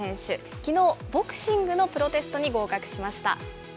きのう、ボクシングのプロテストに合格しました。